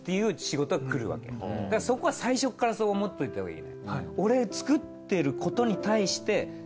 そこは最初からそう思っといたほうがいいよ。